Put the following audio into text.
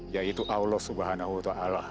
yaitu allah swt